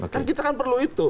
karena kita kan perlu itu